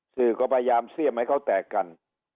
สื่อก็พยายามเสี่ยมให้เขาแตกกัน